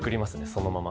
そのまま。